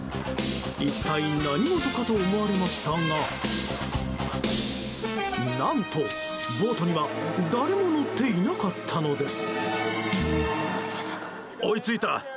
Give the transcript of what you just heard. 一体、何事かと思われましたが何と、ボートには誰も乗っていなかったのです。